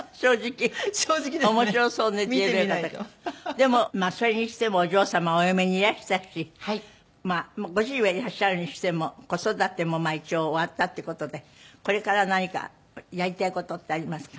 でもそれにしてもお嬢様はお嫁にいらしたしまあご主人はいらっしゃるにしても子育ても一応終わったっていう事でこれから何かやりたい事ってありますか？